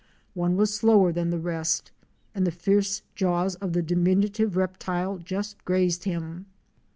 One was slower than the rest, and the fierce jaws of the diminutive reptile just grazed him.